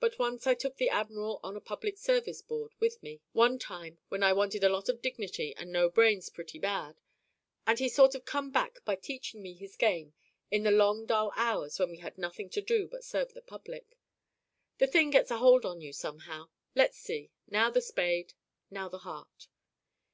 But once I took the admiral on a public service board with me one time when I wanted a lot of dignity and no brains pretty bad and he sort of come back by teaching me his game in the long dull hours when we had nothing to do but serve the public. The thing gets a hold on you, somehow. Let's see now the spade now the heart."